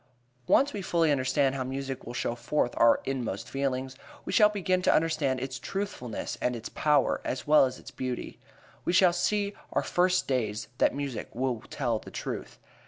Once we fully understand how music will show forth our inmost feelings we shall begin to understand its truthfulness and its power, as well as its beauty. We shall see from our first days that music will tell the truth.